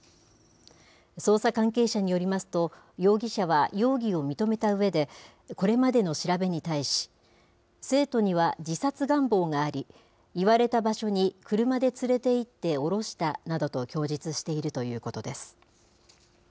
捜査関係者によりますと、容疑者は容疑を認めたうえで、これまでの調べに対し、生徒には自殺願望があり、言われた場所に車で連れて行って降ろしたなどと供述しているということです。